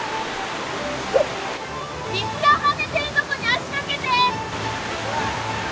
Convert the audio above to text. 水が跳ねているとこに足かけて。